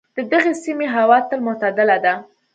د دغې سیمې هوا تل معتدله ده.